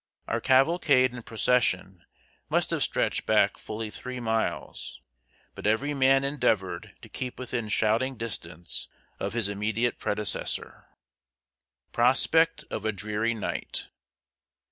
Our cavalcade and procession must have stretched back fully three miles; but every man endeavored to keep within shouting distance of his immediate predecessor. [Sidenote: PROSPECT OF A DREARY NIGHT.